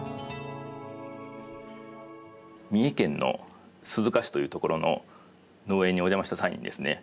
三重県の鈴鹿市という所の農園にお邪魔した際にですね